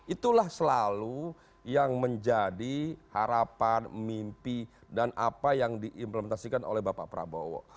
itulah selalu yang menjadi harapan mimpi dan apa yang diimplementasikan oleh bapak prabowo